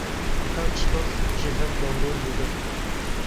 Her çi qas ji hev bandor bûbin.